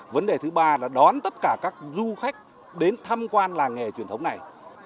vấn đề thứ ba là đón tất cả các du khách đến tham quan làng nghề truyền thống này